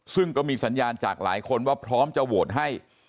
ซึ่งก็มีสัญญาณจากหลายคนว่าพร้อมจะโหวตให้